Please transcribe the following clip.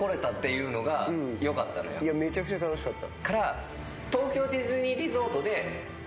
めちゃくちゃ楽しかった。